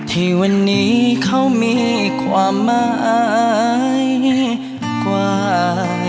ที่วันนี้เขามีความหมายกว่า